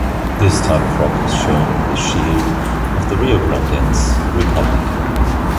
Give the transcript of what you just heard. This type of rock is shown in the shield of the Riograndense Republic.